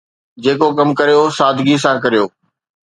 جيڪو ڪم ڪريو، سادگيءَ سان ڪريو.